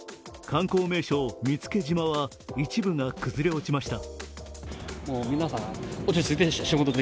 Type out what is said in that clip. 観光名所・見附島は一部が崩れ落ちました。